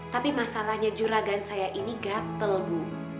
tapi masalahnya juragan saya ini gatel bu